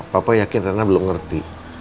papa yakin rana belum ngerti